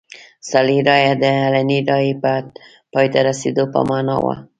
سري رایه د علني رایې پای ته رسېدو په معنا وه.